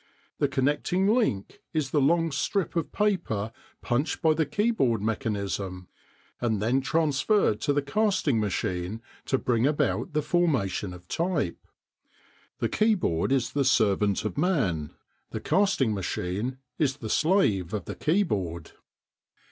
The connecting link is the long strip of paper punched by the keyboard mechanism, and then transferred to the casting machine to bring about the formation of type. The keyboard is the servant of man; the casting machine is the slave of the keyboard.